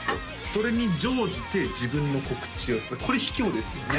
それに乗じて自分の告知をするこれ卑怯ですよね？